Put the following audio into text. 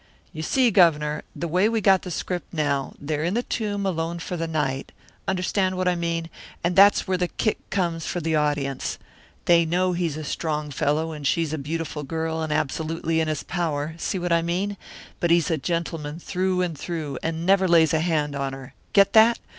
"You see, Governor, the way we got the script now, they're in this tomb alone for the night understand what I mean and that's where the kick comes for the audience. They know he's a strong young fellow and she's a beautiful girl and absolutely in his power see what I mean? but he's a gentleman through and through and never lays a hand on her. Get that?